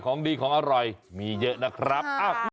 ของดีของอร่อยมีเยอะนะครับ